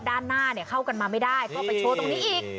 ด้านหน้าเข้ากันมาไม่ได้ก็ไปโชว์ตรงนี้อีก